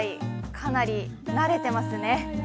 かなり慣れていますね。